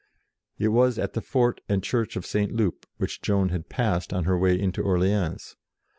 It was at the fort and Church of St. Loup, which Joan had passed on her way into Orleans.